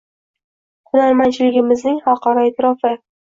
Hunarmandchiligimizning xalqaro e’tirofi